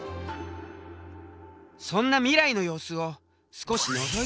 そんな未来の様子を少しのぞいてみよう。